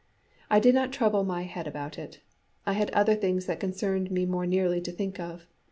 I did not trouble my head about it; I had other things that concerned me more nearly to think of.